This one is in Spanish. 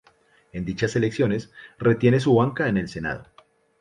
En dichas elecciones, retiene su banca en el Senado.